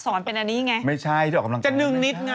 ต้องเส่งไปญี่ปุ่นมีมากับแสดงดีขึ้นนะคะ